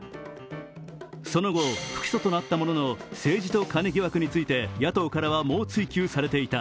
その後不起訴となったものの、政治とカネ疑惑について野党からは猛追及されていた。